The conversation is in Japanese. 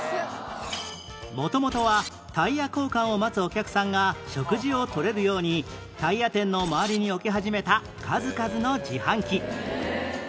元々はタイヤ交換を待つお客さんが食事を取れるようにタイヤ店の周りに置き始めた数々の自販機